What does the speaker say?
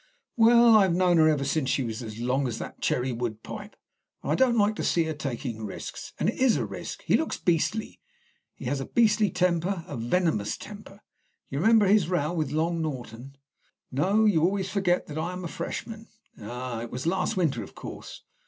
"Well, I've known her ever since she was as long as that cherry wood pipe, and I don't like to see her taking risks. And it is a risk. He looks beastly. And he has a beastly temper, a venomous temper. You remember his row with Long Norton?" "No; you always forget that I am a freshman." "Ah, it was last winter. Of course.